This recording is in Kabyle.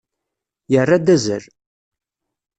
Yerra-d azal.